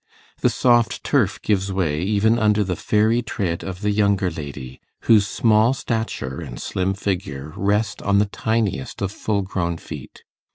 The soft turf gives way even under the fairy tread of the younger lady, whose small stature and slim figure rest on the tiniest of full grown feet.